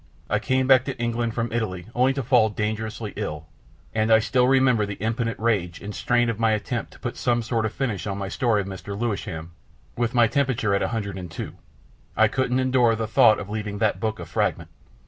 I came back to England from Italy only to fall dangerously ill, and I still remember the impotent rage and strain of my attempt to put some sort of finish to my story of Mr. Lewisham, with my temperature at a hundred and two. I couldn't endure the thought of leaving that book a fragment.